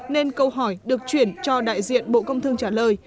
nên câu hỏi được chuyển cho đại diện bộ công thương trả lời